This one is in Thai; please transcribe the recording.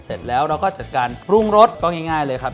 เสร็จแล้วเราก็จัดการปรุงรสก็ง่ายเลยครับ